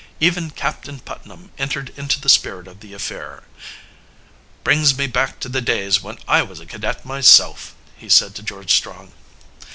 Even Captain Putnam entered into the spirit of the affair. "Brings me back to the days when I was a cadet myself," he said to George Strong.